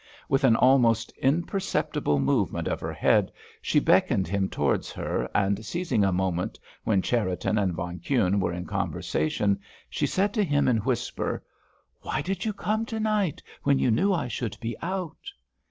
With an almost imperceptible movement of her head she beckoned him towards her, and seizing a moment when Cherriton and von Kuhne were in conversation, she said to him in a whisper: "Why did you come to night, when you knew I should be out?"